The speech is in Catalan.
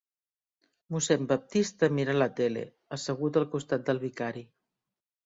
Mossèn Baptista mira la tele, assegut al costat del vicari.